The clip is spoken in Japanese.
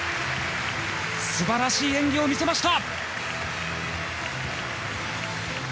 素晴らしい演技を見せました。